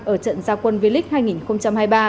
ở trận gia quân vlic hai nghìn hai mươi ba